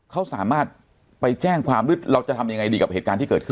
เขาสามารถไปแจ้งความหรือเราจะทำยังไงดีกับเหตุการณ์ที่เกิดขึ้น